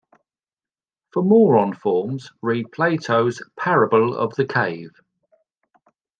For more on forms, read Plato's parable of the cave.